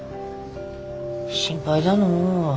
心配だの。